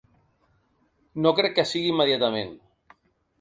No crec que sigui immediatament.